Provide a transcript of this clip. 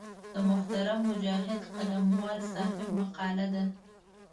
د محترم مجاهد قلموال صاحب مقاله ده.